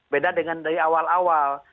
beda dengan dari awal awal